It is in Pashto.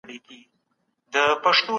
زکات د مالدار او غریب ترمنځ اړیکه ده.